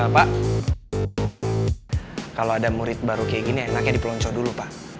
pak kalau ada murid baru kayak gini enaknya dipelonco dulu pak